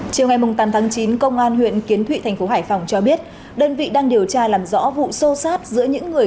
chiều ngày tám tháng chín công an huyện kiến thụy thành phố hải phòng cho biết đơn vị đang điều tra làm rõ vụ sâu sát giữa những người